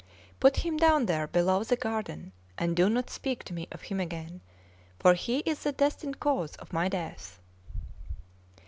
Put him down there below the garden, and do not speak to me of him again, for he is the destined cause of my death."